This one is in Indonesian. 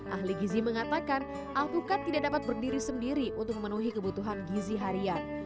ahli gizi mengatakan alpukat tidak dapat berdiri sendiri untuk memenuhi kebutuhan gizi harian